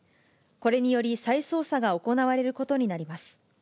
これにより、再捜査が行われることになります。